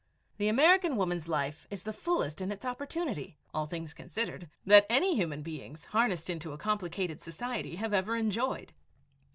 The American woman's life is the fullest in its opportunity, all things considered, that any human beings harnessed into a complicated society have ever enjoyed.